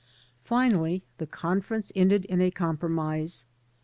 Finally the conference ended in a compromise.